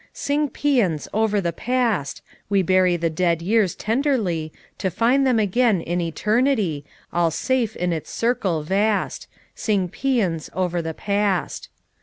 "Sing pneans over the past! We bury the dead years tenderly, To find them again in eternity All safe in its circle vast. Sing paeans over the past.